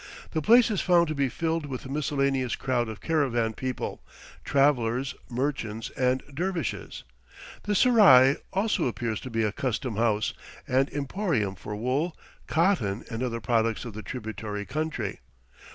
The place is found to be filled with a miscellaneous crowd of caravan people, travellers, merchants, and dervishes. The serai also appears to be a custom house and emporium for wool, cotton, and other products of the tributary country.